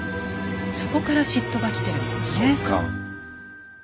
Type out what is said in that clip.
そこから嫉妬がきてるんですね。